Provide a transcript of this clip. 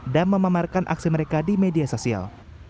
dan memamerkan aksi mereka di media sosial